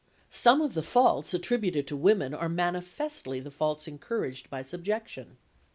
Some of the faults attributed to women are manifestly the faults encouraged by subjection.